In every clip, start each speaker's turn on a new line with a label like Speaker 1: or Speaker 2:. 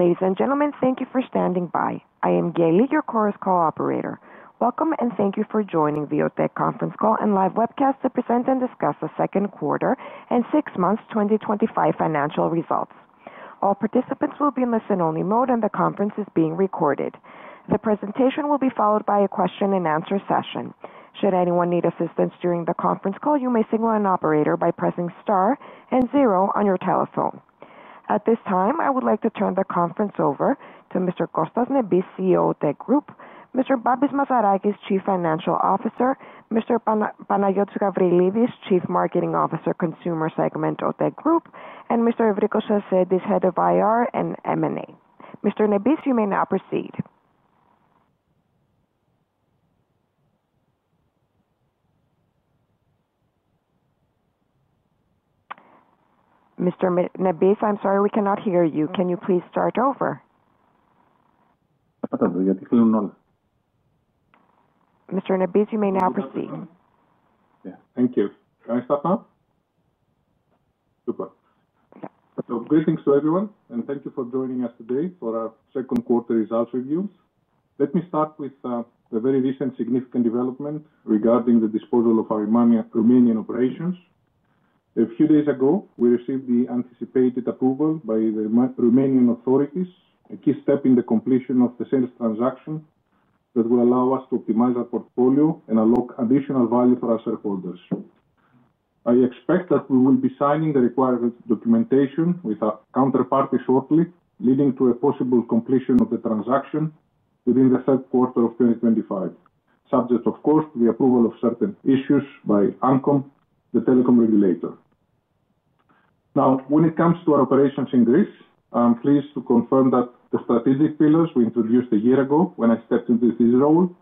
Speaker 1: Ladies and gentlemen, thank you for standing by. I am Gaye, your Chorus Call operator. Welcome, and thank you for joining the OTE Group conference call and live webcast to present and discuss the second quarter and six months 2025 financial results. All participants will be in listen-only mode, and the conference is being recorded. The presentation will be followed by a question and answer session. Should anyone need assistance during the conference call, you may signal an operator by pressing star and zero on your telephone. At this time, I would like to turn the conference over to Mr. Kostas Nebis, CEO of OTE Group, Mr. Babis Mazarakis, Chief Financial Officer, Mr. Panayiotis Gabrielides, Chief Marketing Officer, Consumer Segment of OTE Group, and Mr. Evrikos Sarsentis, Head of IR and M&A. Mr. Nebis, you may now proceed. Mr. Nebis, I'm sorry, we cannot hear you. Can you please start over? Mr. Nebis, you may now proceed.
Speaker 2: Thank you. Can I stop now? Super. Okay, greetings to everyone, and thank you for joining us today for our second quarter results review. Let me start with a very recent significant development regarding the disposal of our Romanian operations. A few days ago, we received the anticipated approval by the Romanian authorities, a key step in the completion of the sales transaction that will allow us to optimize our portfolio and unlock additional value for our shareholders. I expect that we will be signing the required documentation with our counterparty shortly, leading to a possible completion of the transaction within the third quarter of 2025, subject, of course, to the approval of certain issues by ANCOM, the telecom regulator. Now, when it comes to our operations in Greece, I'm pleased to confirm that the strategic pillars we introduced a year ago when I stepped into this role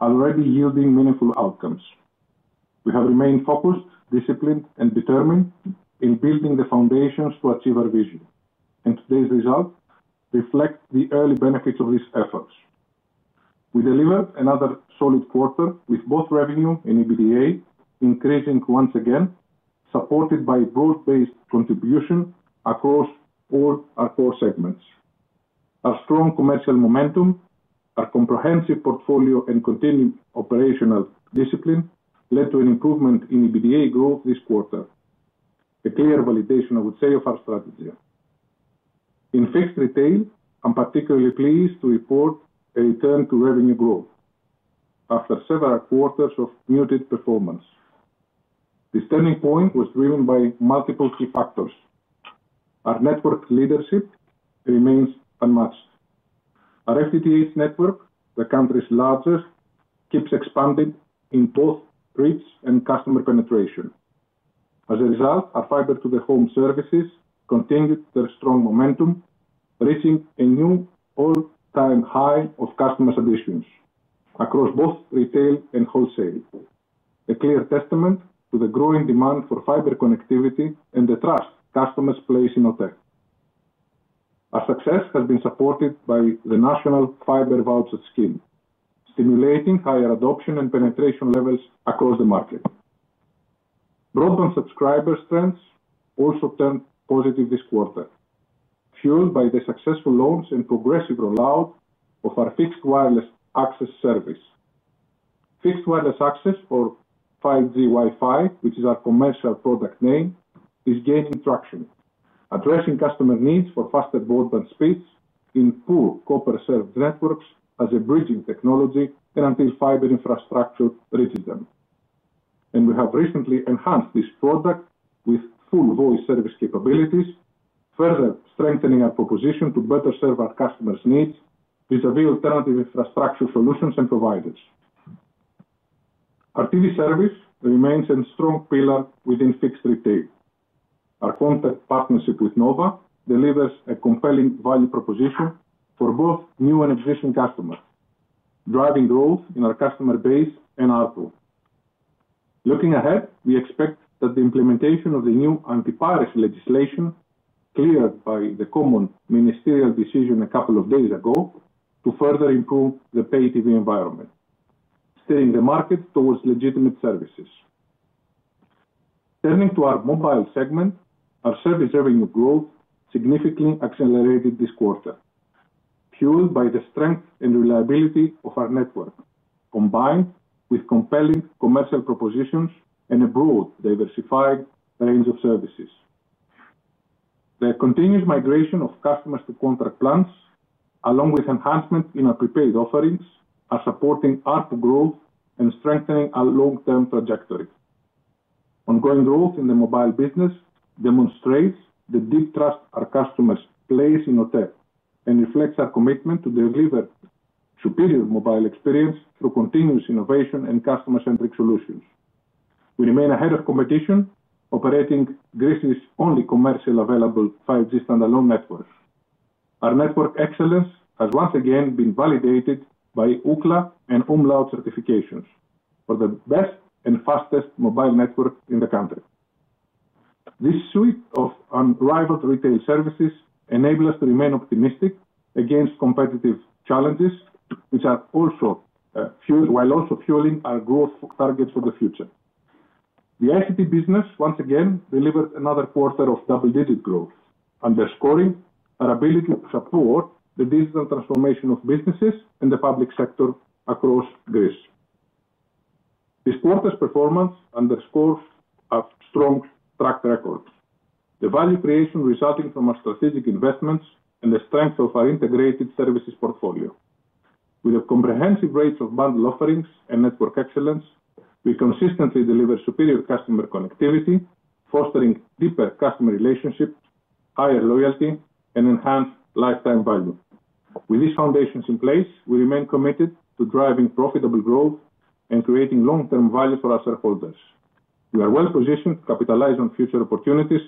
Speaker 2: are already yielding meaningful outcomes. We have remained focused, disciplined, and determined in building the foundations to achieve our vision, and today's results reflect the early benefits of these efforts. We delivered another solid quarter with both revenue and EBITDA increasing once again, supported by a broad-based contribution across all our core segments. Our strong commercial momentum, our comprehensive portfolio, and continued operational discipline led to an improvement in EBITDA growth this quarter, a clear validation, I would say, of our strategy. In fixed retail, I'm particularly pleased to report a return to revenue growth after several quarters of muted performance. This turning point was driven by multiple key factors. Our network leadership remains unmatched. Our FTTH network, the country's largest, keeps expanding in both reach and customer penetration. As a result, our fiber-to-the-home services continued their strong momentum, reaching a new all-time high of customer satisfaction across both retail and wholesale, a clear testament to the growing demand for fiber connectivity and the trust customers place in our tech. Our success has been supported by the National Fiber Voucher Scheme, stimulating higher adoption and penetration levels across the market. Broadband subscriber strengths also turned positive this quarter, fueled by the successful launch and progressive rollout of our fixed wireless access service. Fixed wireless access, or 5G Wi-Fi, which is our commercial product name, is gaining traction, addressing customer needs for faster broadband speeds in poor copper service networks as a bridging technology until fiber infrastructure reaches them. We have recently enhanced this product with full voice service capabilities, further strengthening our proposition to better serve our customers' needs vis-à-vis alternative infrastructure solutions and providers. Our TV service remains a strong pillar within fixed retail. Our contract partnership with Nova delivers a compelling value proposition for both new and existing customers, driving growth in our customer base and output. Looking ahead, we expect that the implementation of the new antivirus legislation, cleared by the Common Ministerial decision a couple of days ago, will further improve the pay-TV environment, steering the market towards legitimate services. Turning to our mobile segment, our service revenue growth significantly accelerated this quarter, fueled by the strength and reliability of our network, combined with compelling commercial propositions and a broad, diversified range of services. The continuous migration of customers to contract plans, along with enhancement in our prepaid offerings, are supporting our growth and strengthening our long-term trajectory. Ongoing growth in the mobile business demonstrates the deep trust our customers place in our tech and reflects our commitment to deliver a superior mobile experience through continuous innovation and customer-centric solutions. We remain ahead of competition, operating Greece's only commercially available standalone 5G network. Our network excellence has once again been validated by UCLA and Umlaut certifications for the best and fastest mobile network in the country. This suite of unrivaled retail services enables us to remain optimistic against competitive challenges, which are also fueling our growth targets for the future. The ICT business once again delivered another quarter of double-digit growth, underscoring our ability to support the digital transformation of businesses and the public sector across Greece. This quarter's performance underscores a strong track record, the value creation resulting from our strategic investments, and the strength of our integrated services portfolio. With a comprehensive range of bundle offerings and network excellence, we consistently deliver superior customer connectivity, fostering deeper customer relationships, higher loyalty, and enhanced lifetime value. With these foundations in place, we remain committed to driving profitable growth and creating long-term value for our shareholders. We are well-positioned to capitalize on future opportunities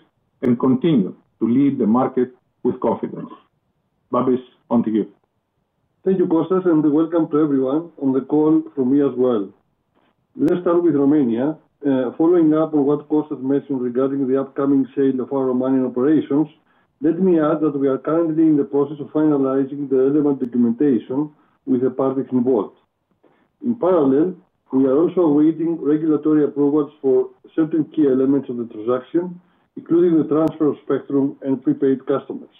Speaker 2: and continue to lead the market with confidence. Babis, on to you.
Speaker 3: Thank you, Kostas, and welcome to everyone on the call from me as well. Let's start with Romania. Following up on what Kostas mentioned regarding the upcoming change of our Romanian operations, let me add that we are currently in the process of finalizing the relevant documentation with the parties involved. In parallel, we are also awaiting regulatory approvals for certain key elements of the transaction, including the transfer of spectrum and prepaid customers.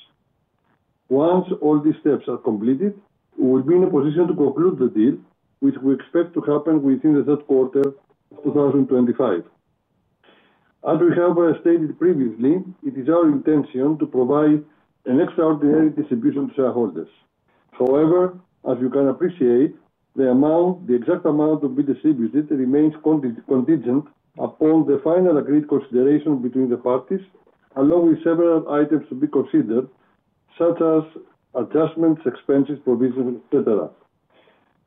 Speaker 3: Once all these steps are completed, we will be in a position to conclude the deal, which we expect to happen within the third quarter of 2025. As we have stated previously, it is our intention to provide an extraordinary distribution to shareholders. However, as you can appreciate, the exact amount to be distributed remains contingent upon the final agreed consideration between the parties, along with several items to be considered, such as adjustments, expenses, provisions, etc.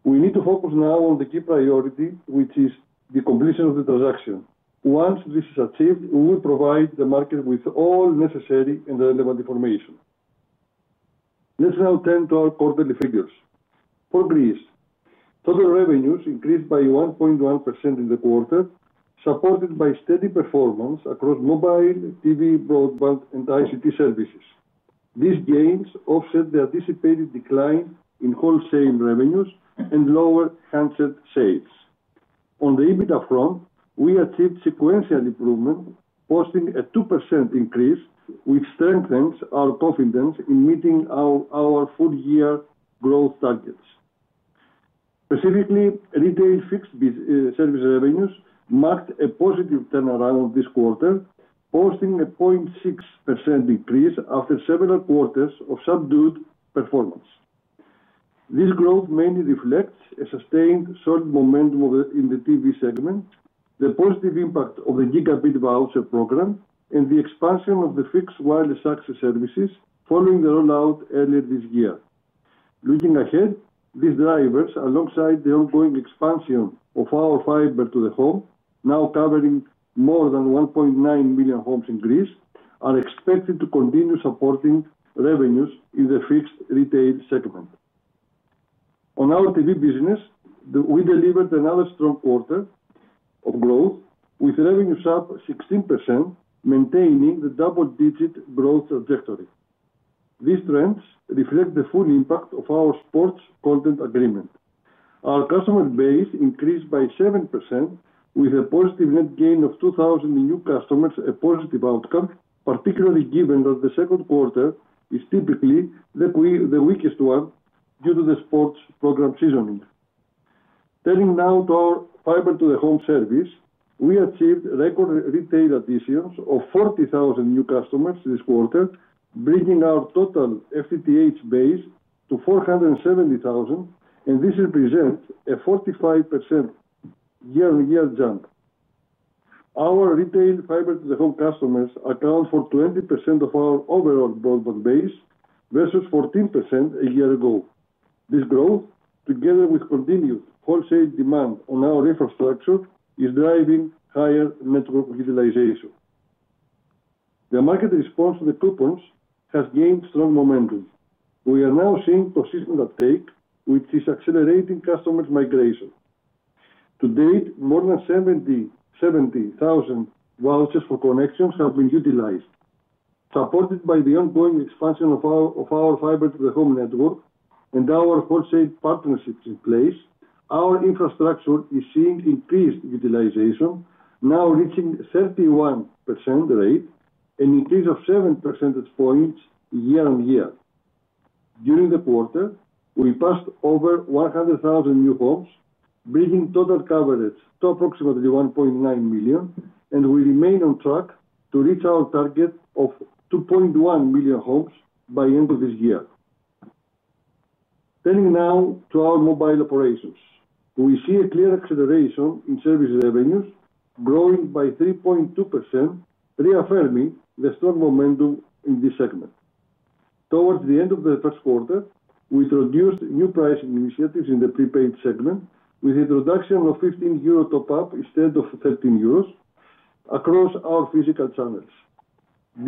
Speaker 3: We need to focus now on the key priority, which is the completion of the transaction. Once this is achieved, we will provide the market with all necessary and relevant information. Let's now turn to our quarterly figures. For Greece, total revenues increased by 1.1% in the quarter, supported by steady performance across mobile, TV, broadband, and ICT services. These gains offset the anticipated decline in wholesale revenues and lower handset sales. On the EBITDA front, we achieved sequential improvement, posting a 2% increase, which strengthens our confidence in meeting our full-year growth targets. Specifically, retail fixed service revenues marked a positive turnaround this quarter, posting a 0.6% decrease after several quarters of subdued performance. This growth mainly reflects a sustained solid momentum in the TV segment, the positive impact of the Gigabit Voucher Programme, and the expansion of the fixed wireless access services following the rollout earlier this year. Looking ahead, these drivers, alongside the ongoing expansion of our fiber-to-the-home, now covering more than 1.9 million homes in Greece, are expected to continue supporting revenues in the fixed retail segment. On our TV business, we delivered another strong quarter of growth, with revenues up 16%, maintaining the double-digit growth trajectory. These trends reflect the full impact of our sports content agreement. Our customer base increased by 7%, with a positive net gain of 2,000 new customers, a positive outcome, particularly given that the second quarter is typically the weakest one due to the sports program seasonality. Turning now to our fiber-to-the-home service, we achieved record retail additions of 40,000 new customers this quarter, bringing our total FTTH base to 470,000, and this represents a 45% year-on-year jump. Our retail fiber-to-the-home customers account for 20% of our overall broadband base versus 14% a year ago. This growth, together with continued wholesale demand on our infrastructure, is driving higher network utilization. The market response to the coupons has gained strong momentum. We are now seeing consistent uptake, which is accelerating customers' migration. To date, more than 70,000 vouchers for connections have been utilized. Supported by the ongoing expansion of our fiber-to-the-home network and our wholesale partnerships in place, our infrastructure is seeing increased utilization, now reaching a 31% rate and an increase of 7 percentage points year-on-year. During the quarter, we passed over 100,000 new homes, bringing total coverage to approximately 1.9 million, and we remain on track to reach our target of 2.1 million homes by the end of this year. Turning now to our mobile operations, we see a clear acceleration in service revenues, growing by 3.2%, reaffirming the strong momentum in this segment. Towards the end of the first quarter, we introduced new pricing initiatives in the prepaid segment, with the introduction of €15 top-up instead of €13 across our physical channels.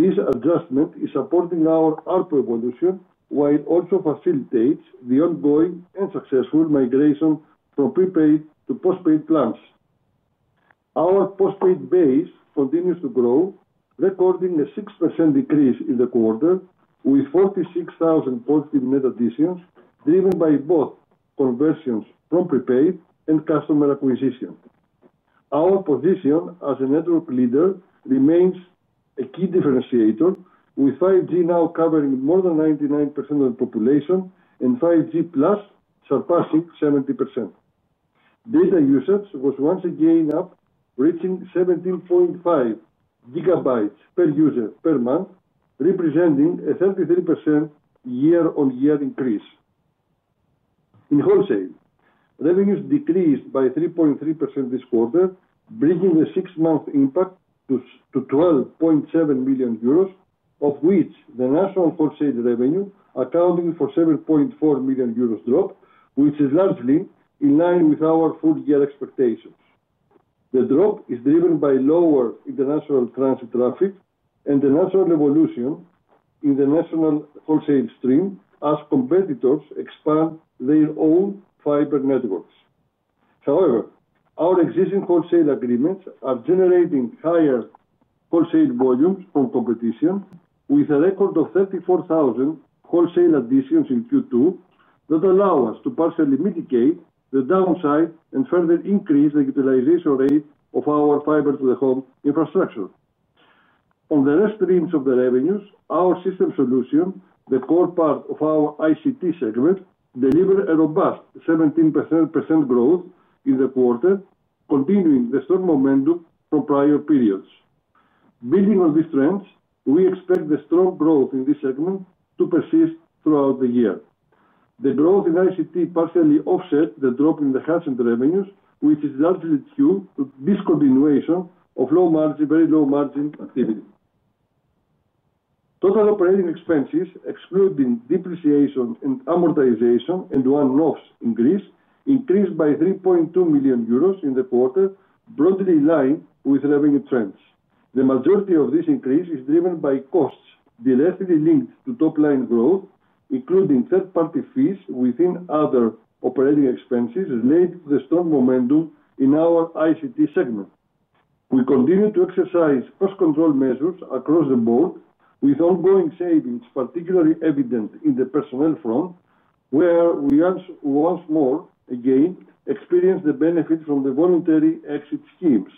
Speaker 3: This adjustment is supporting our ARPU evolution while also facilitating the ongoing and successful migration from prepaid to postpaid plans. Our postpaid base continues to grow, recording a 6% decrease in the quarter, with 46,000 positive net additions driven by both conversions from prepaid and customer acquisition. Our position as a network leader remains a key differentiator, with 5G now covering more than 99% of the population and 5G+ surpassing 70%. Data usage was once again up, reaching 17.5 GB per user per month, representing a 33% year-on-year increase. In wholesale, revenues decreased by 3.3% this quarter, bringing the six-month impact to €12.7 million, of which the national wholesale revenue accounting for €7.4 million dropped, which is largely in line with our full-year expectations. The drop is driven by lower international transit traffic and the natural evolution in the national wholesale stream as competitors expand their own fiber networks. However, our existing wholesale agreements are generating higher wholesale volumes from competition, with a record of 34,000 wholesale additions in Q2 that allow us to partially mitigate the downside and further increase the utilization rate of our Fibre to the Home infrastructure. On the rest streams of the revenues, our system solution, the core part of our ICT services segment, delivered a robust 17% growth in the quarter, continuing the strong momentum from prior periods. Building on these trends, we expect the strong growth in this segment to persist throughout the year. The growth in ICT services partially offsets the drop in the hatch and revenues, which is largely due to discontinuation of very low margin activity. Total operating expenses, excluding depreciation and amortization and one loss in Greece, increased by €3.2 million in the quarter, broadly aligned with revenue trends. The majority of this increase is driven by costs directly linked to top-line growth, including third-party fees within other operating expenses related to the strong momentum in our ICT services segment. We continue to exercise cost control measures across the board, with ongoing savings particularly evident in the personnel front, where we once more again experience the benefit from the voluntary exit schemes.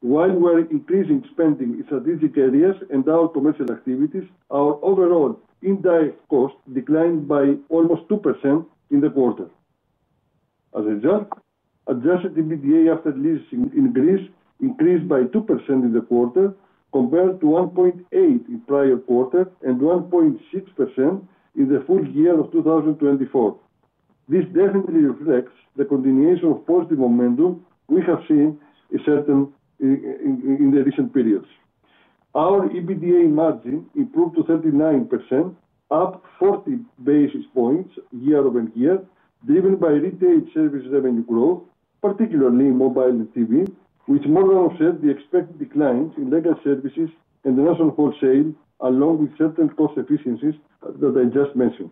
Speaker 3: While we're increasing spending in strategic areas and our commercial activities, our overall indirect cost declined by almost 2% in the quarter. As a result, adjusted EBITDA after leases in Greece increased by 2% in the quarter compared to 1.8% in the prior quarter and 1.6% in the full year of 2024. This definitely reflects the continuation of positive momentum we have seen in the recent periods. Our EBITDA margin improved to 39%, up 40 basis points year-over-year, driven by retail service revenue growth, particularly mobile and TV, which more or less offset the expected declines in legal services and national wholesale, along with certain cost efficiencies that I just mentioned.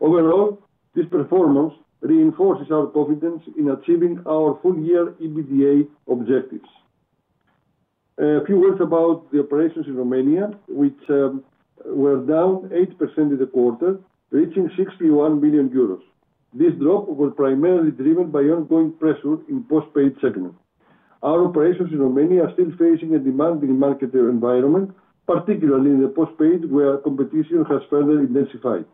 Speaker 3: Overall, this performance reinforces our confidence in achieving our full-year EBITDA objectives. A few words about the operations in Romania, which were down 8% in the quarter, reaching €61 million. This drop was primarily driven by ongoing pressure in the postpaid segment. Our operations in Romania are still facing a demanding market environment, particularly in the postpaid where competition has further intensified.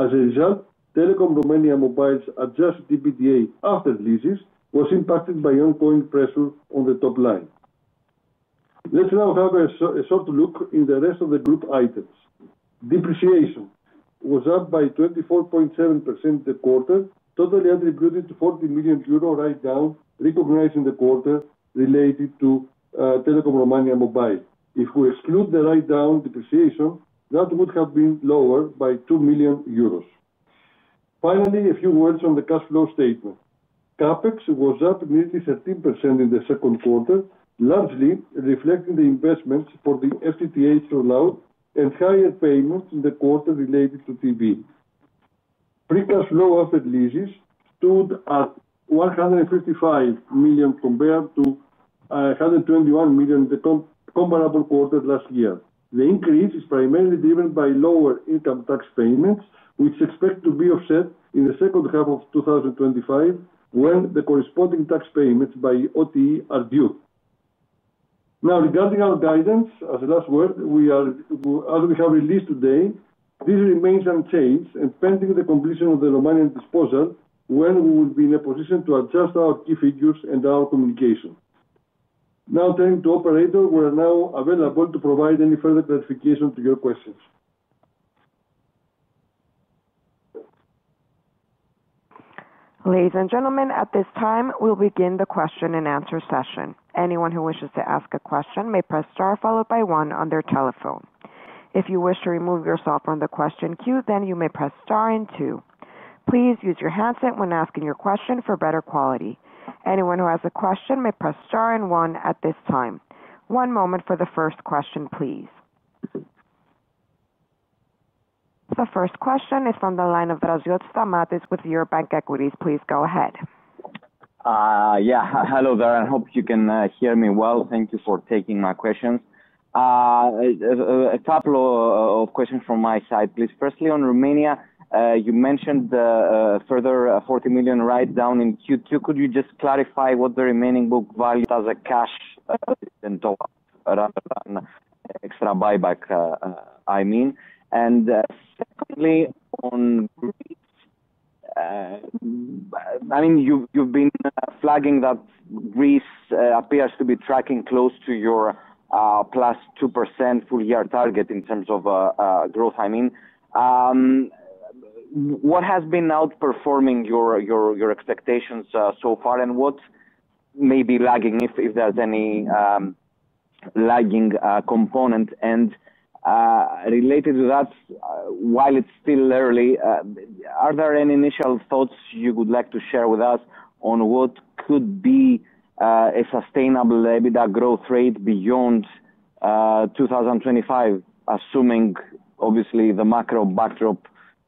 Speaker 3: As a result, Telekom Romania Mobile's adjusted EBITDA after leases was impacted by ongoing pressure on the top line. Let's now have a short look at the rest of the group items. Depreciation was up by 24.7% in the quarter, totally attributed to a €40 million write-down recognized in the quarter related to Telekom Romania Mobile. If we exclude the write-down, depreciation would have been lower by €2 million. Finally, a few words on the cash flow statement. CapEx was up nearly 13% in the second quarter, largely reflecting the investments for the FTTH rollout and higher payments in the quarter related to TV. Free cash flow after leases stood at €155 million compared to €121 million in the comparable quarter last year. The increase is primarily driven by lower income tax payments, which is expected to be offset in the second half of 2025 when the corresponding tax payments by OTE are due. Now, regarding our guidance, as a last word, as we have released today, this remains unchanged and pending the completion of the Romanian disposal when we will be in a position to adjust our key figures and our communication. Now, turning to operators, we are now available to provide any further clarification to your questions.
Speaker 1: Ladies and gentlemen, at this time, we'll begin the question and answer session. Anyone who wishes to ask a question may press star followed by one on their telephone. If you wish to remove yourself from the question queue, then you may press star and two. Please use your handset when asking your question for better quality. Anyone who has a question may press star and one at this time. One moment for the first question, please. The first question is from the line of Draziotis Stamatios with Eurobank Equities. Please go ahead.
Speaker 4: Hello there. I hope you can hear me well. Thank you for taking my question. A couple of questions from my side, please. Firstly, on Romania, you mentioned the further €40 million write-down in Q2. Could you just clarify what the remaining book value is as a cash and dollar extra buyback, I mean? Secondly, on Greece, you've been flagging that Greece appears to be tracking close to your +2% full-year target in terms of growth. What has been outperforming your expectations so far and what's maybe lagging, if there's any lagging component? Related to that, while it's still early, are there any initial thoughts you would like to share with us on what could be a sustainable EBITDA growth rate beyond 2025, assuming, obviously, the macro backdrop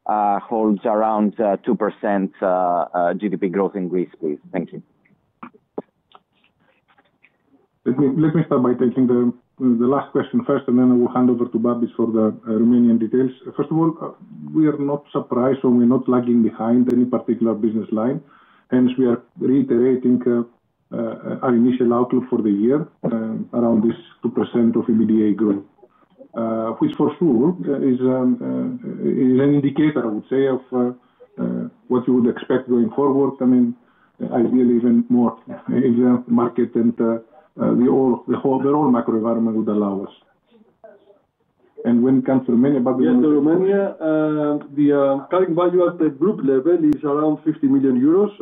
Speaker 4: holds around 2% GDP growth in Greece, please? Thank you.
Speaker 2: Let me start by taking the last question first, and then I will hand over to Babis for the Romanian details. First of all, we are not surprised when we're not lagging behind any particular business line. Hence, we are reiterating our initial outlook for the year around this 2% of EBITDA growth, which for sure is an indicator, I would say, of what you would expect going forward. I mean, ideally, even more, as the market and the whole overall macro environment would allow us. When it comes to Romania, Babis?
Speaker 3: Yes, to Romania, the current value at the group level is around €50 million,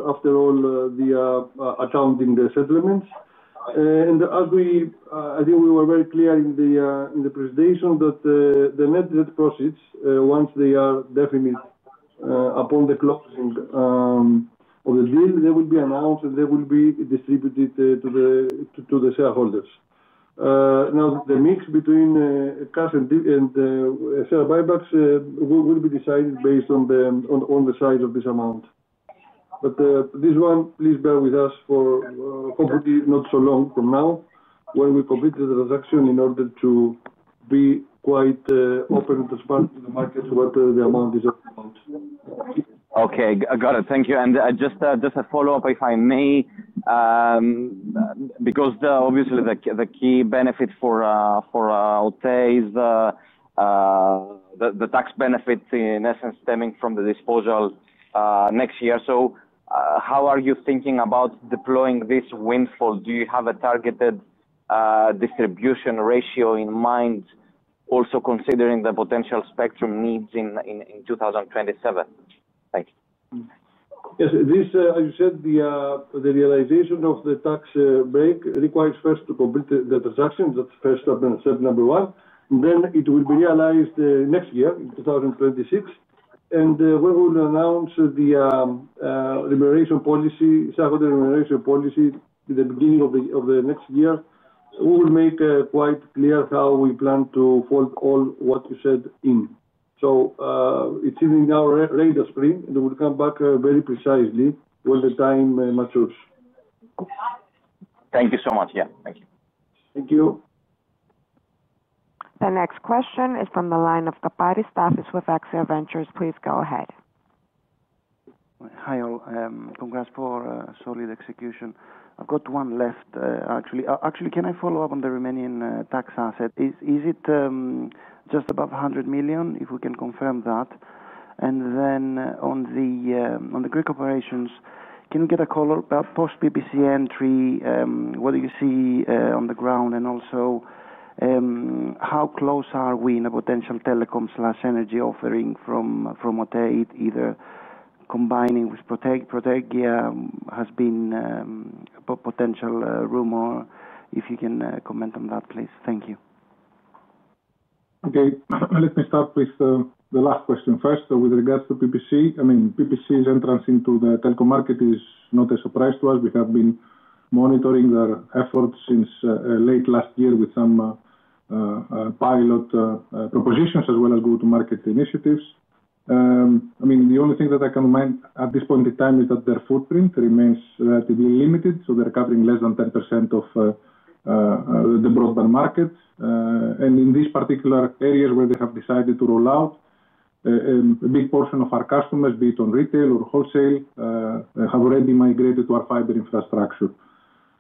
Speaker 3: after all the accounts in the settlements. I think we were very clear in the presentation that the net debt proceeds, once they are defined upon the closing of the deal, will be announced and will be distributed to the shareholders. Now, the mix between cash and share buybacks will be decided based on the size of this amount. Please bear with us for hopefully not so long from now when we complete the transaction in order to be quite open to spark the market to what the amount is about.
Speaker 4: Okay. Got it. Thank you. Just a follow-up, if I may, because obviously the key benefit for OTE Group is the tax benefit, in essence, stemming from the disposal next year. How are you thinking about deploying this windfall? Do you have a targeted distribution ratio in mind, also considering the potential spectrum needs in 2027? Thank you.
Speaker 3: Yes. As you said, the realization of the tax break requires first to complete the transaction. That's step number one. It will be realized next year, in 2026. When we announce the shareholder remuneration policy at the beginning of next year, we will make quite clear how we plan to fold all what is said in. It's in our regular screen, and we'll come back very precisely when the time matures.
Speaker 4: Thank you so much. Yeah, thank you.
Speaker 2: Thank you.
Speaker 1: The next question is from the line of Taparis Stathis with AXIA Ventures. Please go ahead.
Speaker 5: Hi, all. Congrats for a solid execution. I've got one left, actually. Can I follow up on the Romanian tax asset? Is it just above €100 million, if we can confirm that? On the Greek operations, can you get a call about post-PPC entry, what do you see on the ground, and also how close are we in a potential telecom/energy offering from OTE, either combining with Protege? Protege has been a potential rumor. If you can comment on that, please. Thank you.
Speaker 3: Okay. Let me start with the last question first. With regards to PPC, PPC's entrance into the telecom market is not a surprise to us. We have been monitoring their efforts since late last year with some pilot propositions as well as go-to-market initiatives. The only thing that I can remind at this point in time is that their footprint remains relatively limited. They're covering less than 10% of the broadband market. In these particular areas where they have decided to roll out, a big portion of our customers, be it on retail or wholesale, have already migrated to our fiber infrastructure.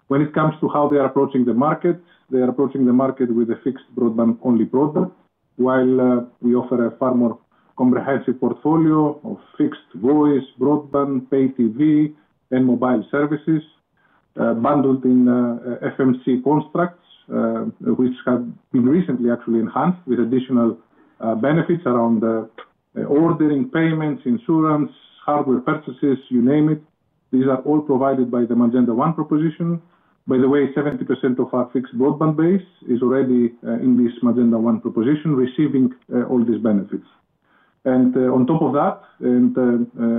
Speaker 3: When it comes to how they are approaching the market, they are approaching the market with a fixed broadband-only product, while we offer a far more comprehensive portfolio of fixed voice, broadband, pay-TV, and mobile services bundled in FMC constructs, which have been recently actually enhanced with additional benefits around ordering payments, insurance, hardware purchases, you name it. These are all provided by the Magenda 1 proposition. By the way, 70% of our fixed broadband base is already in this Magenda 1 proposition, receiving all these benefits. On top of that,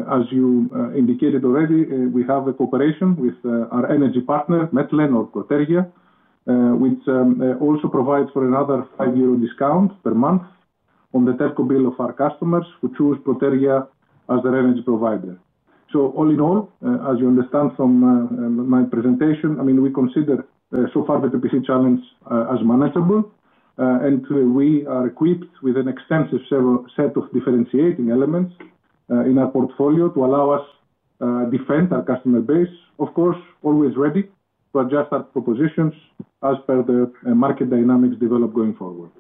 Speaker 3: as you indicated already, we have the cooperation with our energy partner, Mettlen or Protege, which also provides for another €5 discount per month on the telco bill of our customers who choose Protege as their energy provider. All in all, as you understand from my presentation, we consider so far the PPC challenge as manageable, and we are equipped with an extensive set of differentiating elements in our portfolio to allow us to defend our customer base. Of course, always ready to adjust our propositions as per the market dynamics develop going forward.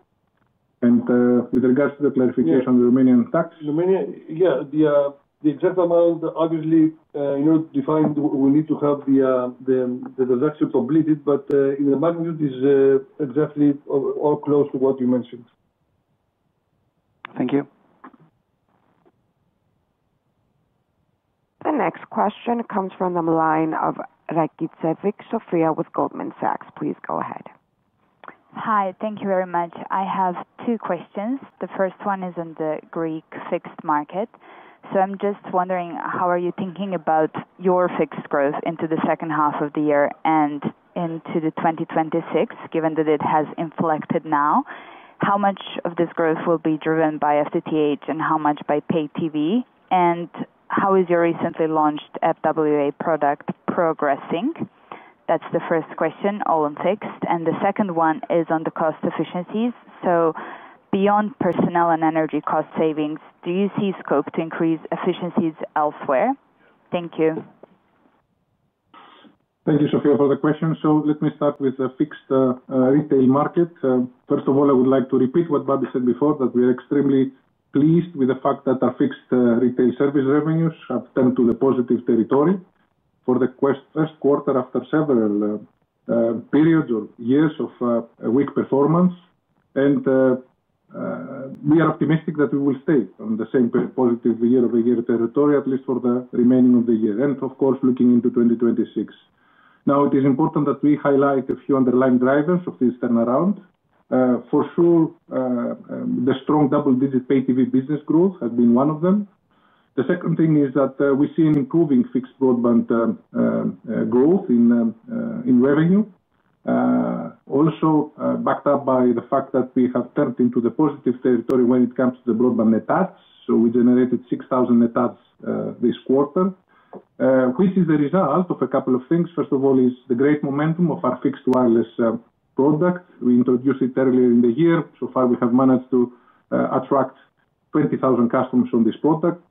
Speaker 3: With regards to the clarification on the Romanian tax.
Speaker 2: Romania, yeah, the exact amount, obviously, in order to define, we need to have the transaction completed. In the manual, it is exactly or close to what you mentioned.
Speaker 5: Thank you.
Speaker 1: The next question comes from the line of Maricevic Sofia with Goldman Sachs. Please go ahead.
Speaker 6: Hi. Thank you very much. I have two questions. The first one is in the Greek fixed market. I'm just wondering, how are you thinking about your fixed growth into the second half of the year and into 2026, given that it has inflected now? How much of this growth will be driven by FTTH and how much by pay-TV? How is your recently launched fixed wireless access product progressing? That's the first question, all in fixed. The second one is on the cost efficiencies. Beyond personnel and energy cost savings, do you see scope to increase efficiencies elsewhere? Thank you.
Speaker 3: Thank you, Sofia, for the question. Let me start with the fixed retail market. First of all, I would like to repeat what Babis said before, that we are extremely pleased with the fact that our fixed retail service revenues have turned to the positive territory for the first quarter after several periods or years of weak performance. We are optimistic that we will stay on the same positive year-over-year territory, at least for the remaining of the year, and of course, looking into 2026. It is important that we highlight a few underlying drivers of this turnaround. For sure, the strong double-digit pay-TV business growth has been one of them. The second thing is that we see an improving fixed broadband growth in revenue, also backed up by the fact that we have turned into the positive territory when it comes to the broadband net adds. We generated 6,000 net adds this quarter, which is the result of a couple of things. First of all, is the great momentum of our fixed wireless product. We introduced it earlier in the year. So far, we have managed to attract 20,000 customers on this product.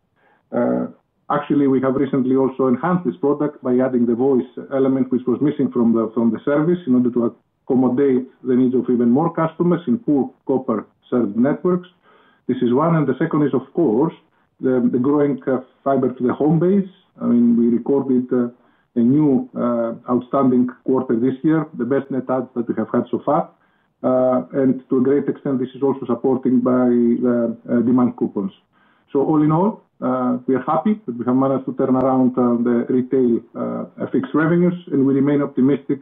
Speaker 3: Actually, we have recently also enhanced this product by adding the voice element, which was missing from the service, in order to accommodate the needs of even more customers in poor copper service networks. This is one. The second is, of course, the growing fiber-to-the-home base. We recorded a new outstanding quarter this year, the best net add that we have had so far. To a great extent, this is also supported by the demand coupons. All in all, we are happy that we have managed to turn around the retail fixed revenues, and we remain optimistic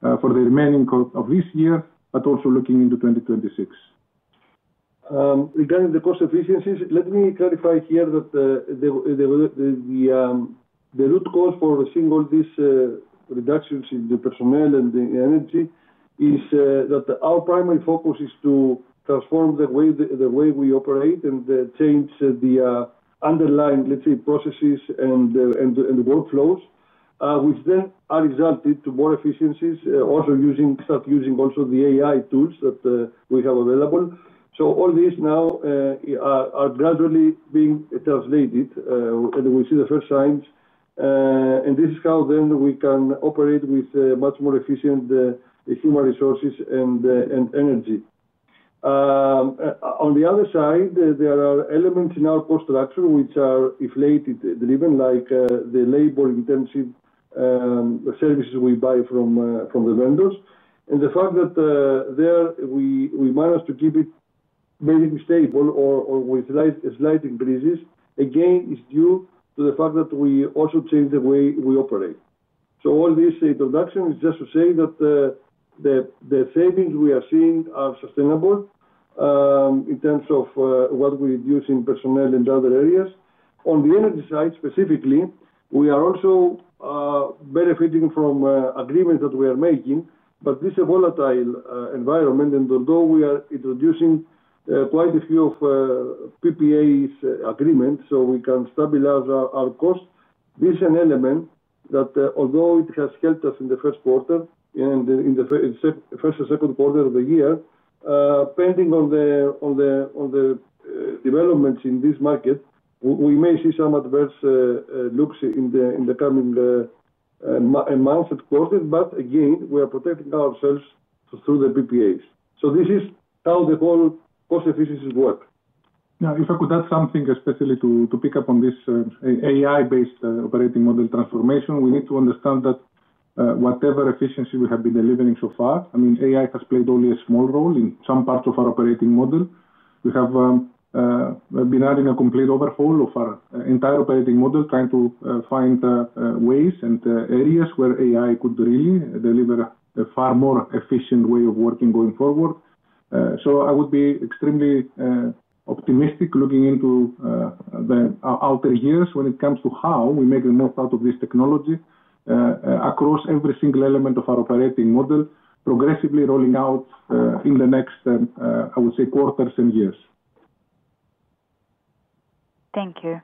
Speaker 3: for the remaining of this year, but also looking into 2026. Regarding the cost efficiencies, let me clarify here that the root cause for seeing all these reductions in the personnel and the energy is that our primary focus is to transform the way we operate and change the underlying, let's say, processes and workflows, which then are exalted to more efficiencies, also using start using also the AI tools that we have available. All these now are gradually being translated, and we see the first signs. This is how then we can operate with much more efficient human resources and energy. On the other side, there are elements in our cost structure, which are inflated, driven like the labor-intensive services we buy from the vendors. The fact that there we managed to keep it basically stable or with slight increases, again, is due to the fact that we also change the way we operate. All this introduction is just to say that the savings we are seeing are sustainable in terms of what we reduce in personnel and other areas. On the energy side, specifically, we are also benefiting from agreements that we are making. This is a volatile environment. Although we are introducing quite a few of PPA agreements so we can stabilize our costs, there is an element that although it has helped us in the first quarter and in the first and second quarter of the year, pending on the developments in this market, we may see some adverse looks in the coming months and quarters. We are protecting ourselves through the PPAs. This is how the whole cost efficiencies work. If I could add something especially to pick up on this AI-based operating model transformation, we need to understand that whatever efficiency we have been delivering so far, I mean, AI has played only a small role in some parts of our operating model. We have been adding a complete overhaul of our entire operating model, trying to find ways and areas where AI could really deliver a far more efficient way of working going forward. I would be extremely optimistic looking into the outer years when it comes to how we make the most out of this technology across every single element of our operating model, progressively rolling out in the next, I would say, quarters and years.
Speaker 6: Thank you.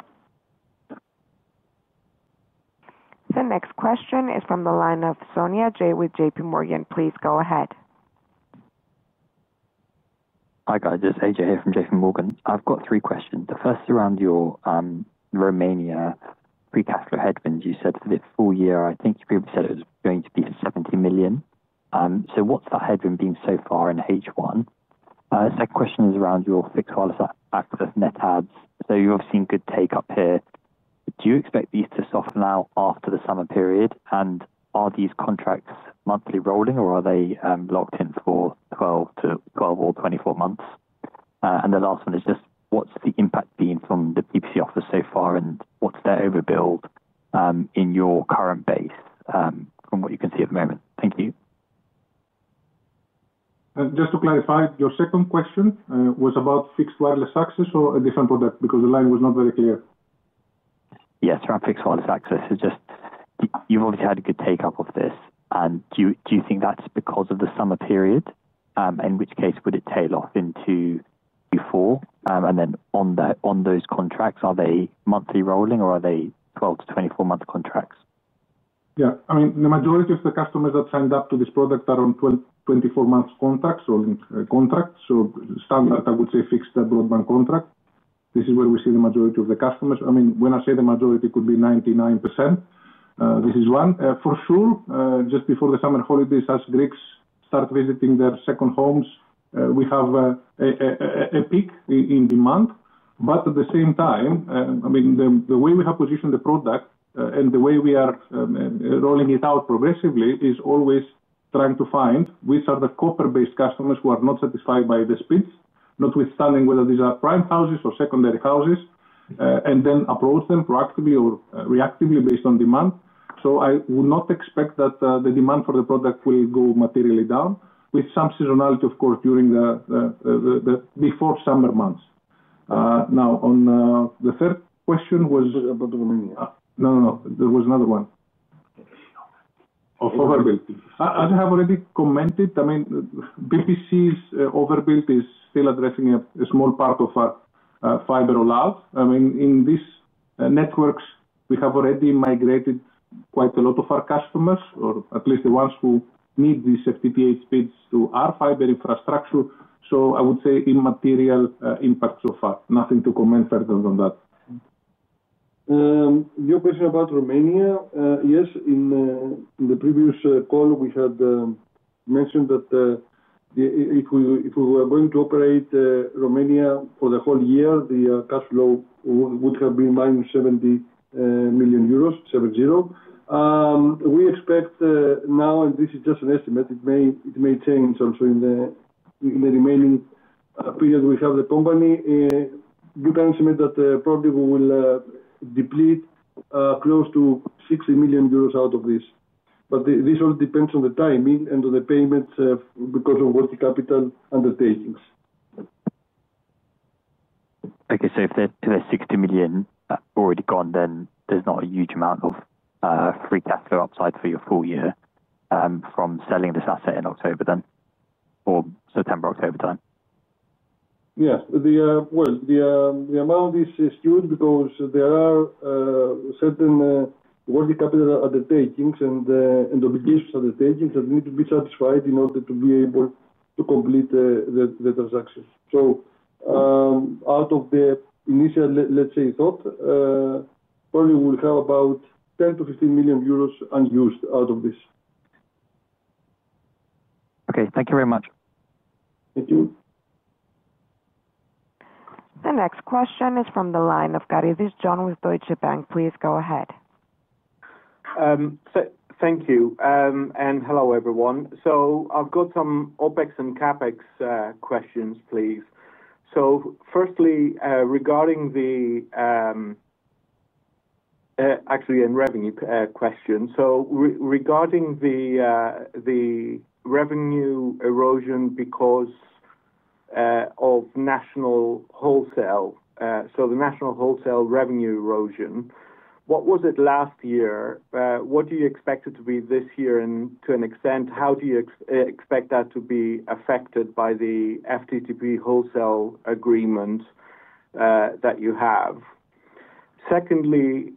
Speaker 1: The next question is from the line of Sonia AJ with J.P. Morgan. Please go ahead. Hi guys. It's AJ here from JP Morgan. I've got three questions. The first is around your Romania pre-capital headwind. You said for this full year, I think you previously said it was going to be €70 million. What's that headwind been so far in H1? The second question is around your fixed wireless access net adds. You've seen good take-up here. Do you expect these to soften out after the summer period? Are these contracts monthly rolling, or are they locked in for 12 or 24 months? The last one is just what's the impact been from the PPC office so far, and what's their overbuild in your current base from what you can see at the moment? Thank you.
Speaker 3: Just to clarify, your second question was about fixed wireless access or a different product because the line was not very clear. Yeah, it's around fixed wireless access. You've already had a good take-up of this. Do you think that's because of the summer period? In which case, would it tail off into Q4? On those contracts, are they monthly rolling, or are they 12-24-month contracts? Yeah. I mean, the majority of the customers that signed up to this product are on 12-24-month contracts, rolling contracts. Standard, I would say, fixed broadband contract. This is where we see the majority of the customers. I mean, when I say the majority, it could be 99%. This is one. For sure, just before the summer holidays, as Greeks start visiting their second homes, we have a peak in demand. At the same time, the way we have positioned the product and the way we are rolling it out progressively is always trying to find which are the copper-based customers who are not satisfied by the speeds, notwithstanding whether these are prime houses or secondary houses, and then approach them proactively or reactively based on demand. I would not expect that the demand for the product will go materially down with some seasonality, of course, during the before-summer months. Now, on the third question was about Romania. No, no, no. There was another one.
Speaker 2: Of overbuilding.
Speaker 3: I think I have already commented. PPC's overbuild is still addressing a small part of our fiber rollout. In these networks, we have already migrated quite a lot of our customers, or at least the ones who need these FTTH speeds, to our fiber infrastructure. I would say immaterial impacts so far. Nothing to comment further than that.
Speaker 2: Your question about Romania, yes. In the previous call, we had mentioned that if we were going to operate Romania for the whole year, the cash flow would have been -€70 million. We expect now, and this is just an estimate, it may change also in the remaining period we have the company. You can estimate that probably we will deplete close to €60 million out of this. This all depends on the timing and on the payments because of all the capital undertakings. If the €60 million are already gone, there's not a huge amount of free cash flow upside for your full year from selling this asset in October, or September, October time? Yes. The amount is skewed because there are certain volatile capital undertakings and obligations undertakings that need to be satisfied in order to be able to complete the transactions. Out of the initial, let's say, top, probably we'll have about €10 million-€15 million unused out of this. Okay, thank you very much. Thank you.
Speaker 1: The next question is from the line of Kiridis John Visjon with Deutsche Bank. Please go ahead.
Speaker 7: Thank you. Hello, everyone. I've got some OpEx and CapEx questions, please. Firstly, regarding the revenue question. Regarding the revenue erosion because of national wholesale, the national wholesale revenue erosion, what was it last year? What do you expect it to be this year and to what extent? How do you expect that to be affected by the FTTH wholesale agreement that you have? Secondly,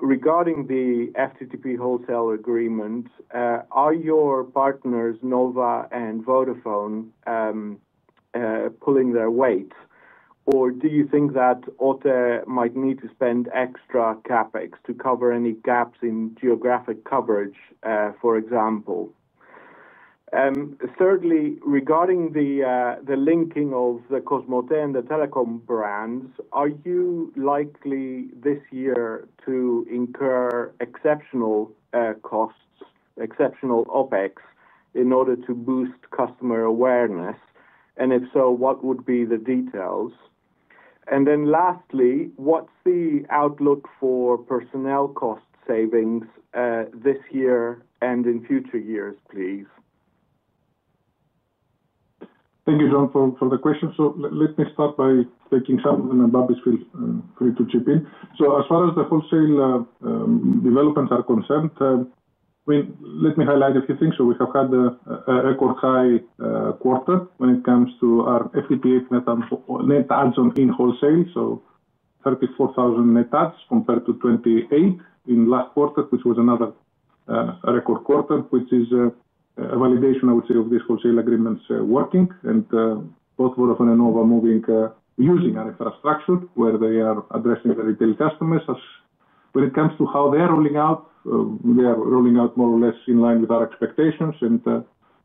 Speaker 7: regarding the FTTH wholesale agreement, are your partners, Nova and Vodafone, pulling their weight? Or do you think that OTE might need to spend extra CapEx to cover any gaps in geographic coverage, for example? Thirdly, regarding the linking of the Cosmote and the Telekom brands, are you likely this year to incur exceptional costs, exceptional OpEx in order to boost customer awareness? If so, what would be the details? Lastly, what's the outlook for personnel cost savings this year and in future years, please?
Speaker 3: Thank you, John, for the question. Let me start by taking something, and Babis will be free to chip in. As far as the wholesale developments are concerned, let me highlight a few things. We have had a record high quarter when it comes to our FTTH net adds in wholesale. There were 34,000 net adds compared to 28,000 in last quarter, which was another record quarter, which is a validation, I would say, of these wholesale agreements working. Both Vodafone and Nova are moving using our infrastructure where they are addressing the retail customers. As when it comes to how they are rolling out, they are rolling out more or less in line with our expectations and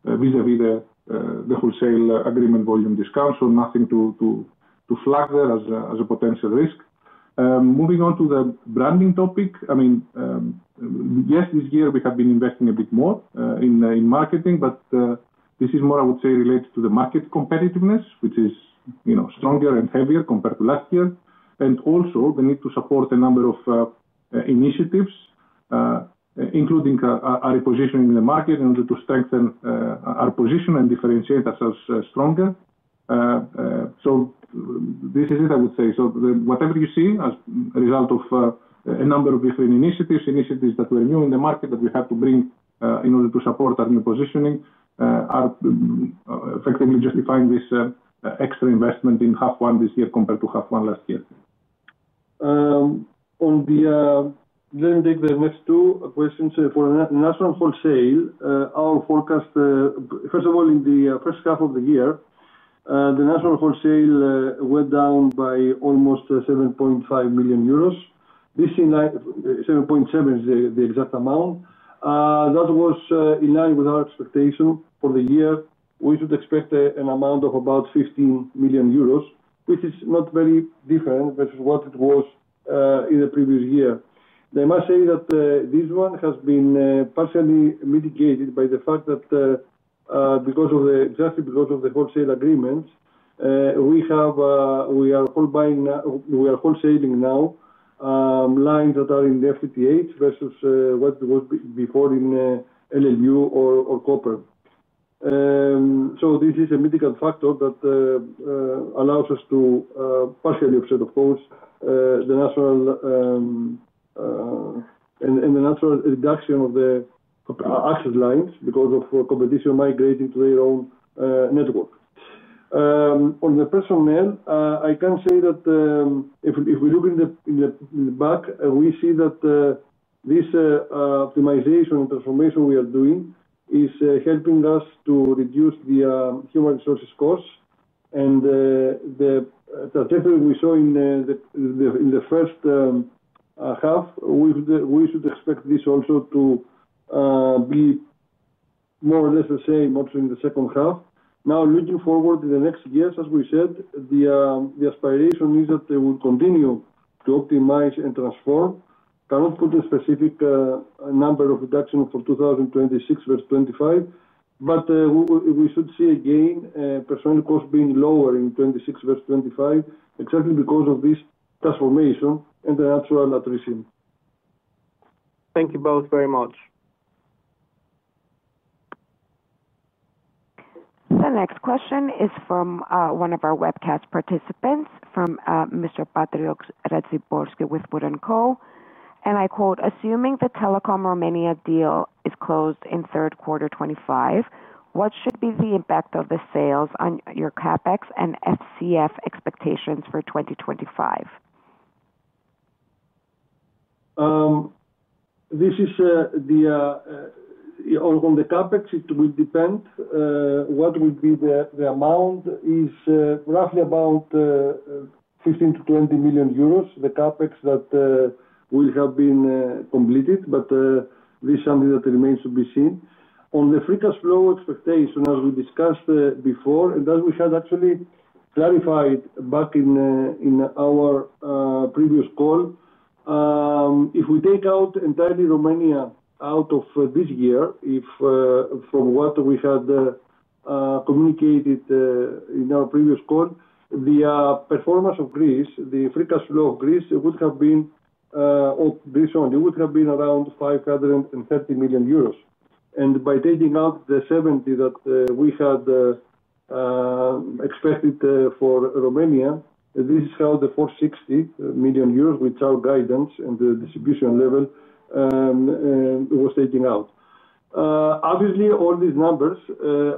Speaker 3: vis-à-vis the wholesale agreement volume discount. Nothing to flag there as a potential risk. Moving on to the branding topic, yes, this year we have been investing a bit more in marketing, but this is more, I would say, related to the market competitiveness, which is stronger and heavier compared to last year. Also, the need to support a number of initiatives, including our position in the market in order to strengthen our position and differentiate ourselves stronger. This is it, I would say. Whatever you see as a result of a number of different initiatives, initiatives that were new in the market that we had to bring in order to support our new positioning are effectively justifying this extra investment in half one this year compared to half one last year. During the next two questions, for the national wholesale, our forecast, first of all, in the first half of the year, the national wholesale went down by almost €7.5 million. This in line, €7.7 million is the exact amount. That was in line with our expectation for the year. We should expect an amount of about €15 million, which is not very different than what it was in the previous year. I must say that this one has been partially mitigated by the fact that just because of the wholesale agreements, we are co-selling now lines that are in the FTTH versus what it was before in LLU or copper. This is a mitigating factor that allows us to partially offset, of course, the national and the natural reduction of the access lines because of competition migrating to their own network. On the personnel, I can say that if we look in the back, we see that this optimization and transformation we are doing is helping us to reduce the human resources cost. The trajectory we saw in the first half, we should expect this also to be more or less the same also in the second half. Now, looking forward to the next years, as we said, the aspiration is that we will continue to optimize and transform. I cannot put a specific number of reduction for 2026 versus 2025, but we should see again personnel costs being lower in 2026 versus 2025 exactly because of this transformation and the natural attrition.
Speaker 7: Thank you both very much.
Speaker 1: The next question is from one of our webcast participants, from Mr. Patrioch Rezipolski with Bud & Co. "Assuming the Telekom Romania Mobile deal is closed in third quarter 2025, what should be the impact of the sales on your CapEx and FCF expectations for 2025?
Speaker 2: On the CapEx, it will depend what will be the amount. It's roughly about €15 million-€20 million, the CapEx that will have been completed. This is something that remains to be seen. On the free cash flow expectation, as we discussed before, and as we had actually clarified back in our previous call, if we take out entirely Romania out of this year, if from what we had communicated in our previous call, the performance of Greece, the free cash flow of Greece only would have been around €530 million. By taking out the €70 million that we had expected for Romania, this is how the €460 million, which our guidance and the distribution level was taking out. Obviously, all these numbers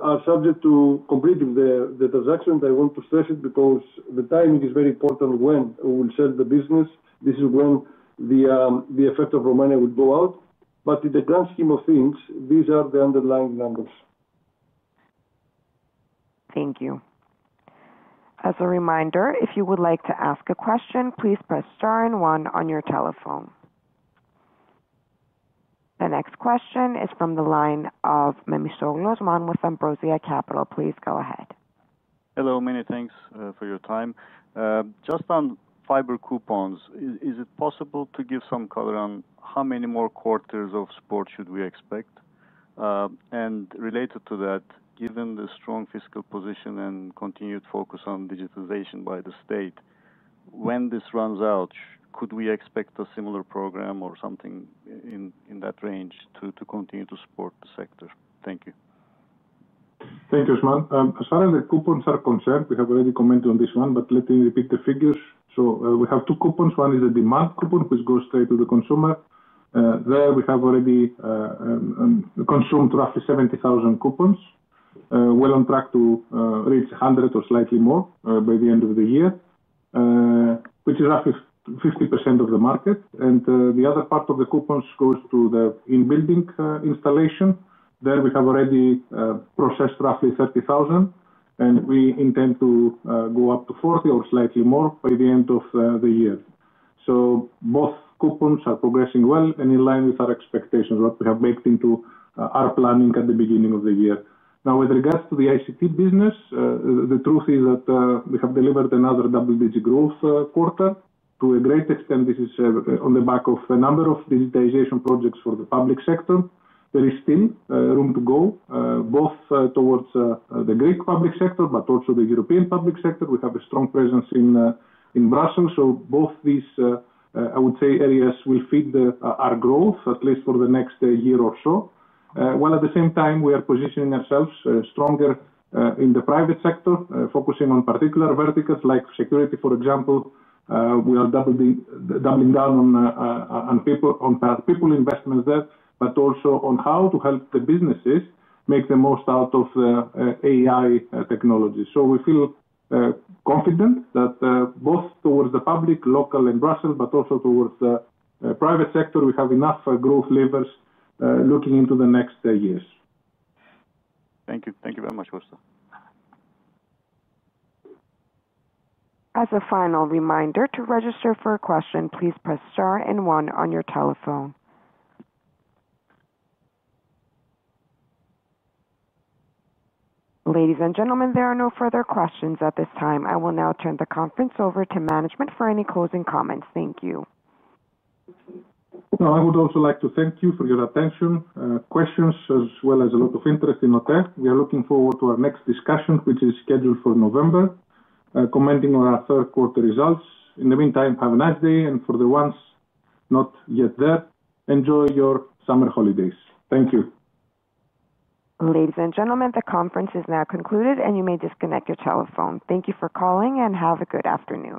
Speaker 2: are subject to completing the transaction. I want to stress it because the timing is very important when we will sell the business. This is when the effect of Romania will go out. In the grand scheme of things, these are the underlying numbers.
Speaker 1: Thank you. As a reminder, if you would like to ask a question, please press star and one on your telephone. The next question is from the line of Memisoglu Osman with Ambrosia Capital. Please go ahead.
Speaker 8: Hello. Many thanks for your time. Just on fiber coupons, is it possible to give some color on how many more quarters of support should we expect? Related to that, given the strong fiscal position and continued focus on digitization by the state, when this runs out, could we expect a similar program or something in that range to continue to support the sector? Thank you.
Speaker 3: Thank you, Osman. As far as the coupons are concerned, we have already commented on this one, but let me repeat the figures. We have two coupons. One is the demand coupon, which goes straight to the consumer. There, we have already consumed roughly 70,000 coupons. We're on track to reach 100,000 or slightly more by the end of the year, which is roughly 50% of the market. The other part of the coupons goes to the in-building installation. There, we have already processed roughly 30,000, and we intend to go up to 40,000 or slightly more by the end of the year. Both coupons are progressing well and in line with our expectations, what we have baked into our planning at the beginning of the year. Now, with regards to the ICT services business, the truth is that we have delivered another double-digit growth quarter. To a great extent, this is on the back of a number of digitization projects for the public sector. There is still room to go, both towards the Greece public sector, but also the European public sector. We have a strong presence in Brussels. Both these, I would say, areas will feed our growth, at least for the next year or so. At the same time, we are positioning ourselves stronger in the private sector, focusing on particular verticals like security, for example. We are doubling down on past people investments there, but also on how to help the businesses make the most out of the AI technology. We feel confident that both towards the public, local, and Brussels, but also towards the private sector, we have enough growth levers looking into the next years.
Speaker 8: Thank you. Thank you very much, Kostas.
Speaker 1: As a final reminder, to register for a question, please press star and one on your telephone. Ladies and gentlemen, there are no further questions at this time. I will now turn the conference over to management for any closing comments. Thank you.
Speaker 3: Thank you for your attention, questions, as well as a lot of interest in OTE. We are looking forward to our next discussion, which is scheduled for November, commenting on our third-quarter results. In the meantime, have a nice day. For the ones not yet there, enjoy your summer holidays. Thank you.
Speaker 1: Ladies and gentlemen, the conference is now concluded, and you may disconnect your telephone. Thank you for calling and have a good afternoon.